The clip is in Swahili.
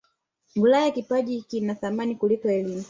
ulaya kipaji kina thamani kuliko elimu